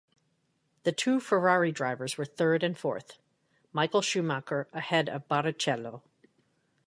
The two Ferrari drivers were third and fourth; Michael Schumacher ahead of Barrichello.